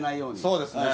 そうですね。